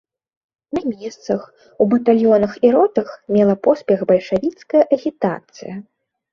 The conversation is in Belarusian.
На месцах, у батальёнах і ротах мела поспех бальшавіцкая агітацыя.